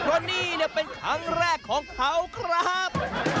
เพราะนี่เป็นครั้งแรกของเขาครับ